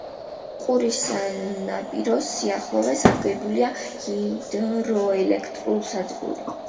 ყურის სანაპიროს სიახლოვეს აგებულია ჰიდროელექტროსადგური.